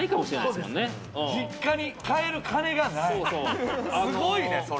すごいね、それ。